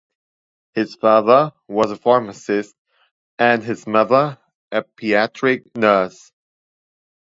His father was a pharmacist and his mother a pediatric nurse.